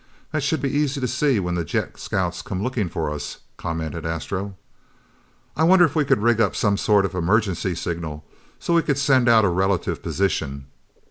"That should be easy to see when the jet scouts come looking for us," commented Astro. "I wonder if we could rig up some sort of emergency signal so we could send out a relative position?"